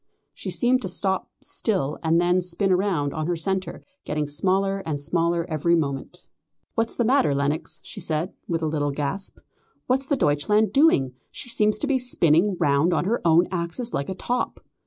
She seemed to stop still and then spin round on her centre, getting smaller and smaller every moment. "What's the matter, Lenox?" she said, with a little gasp. "What's the Deutschland doing? She seems to be spinning round on her own axis like a top."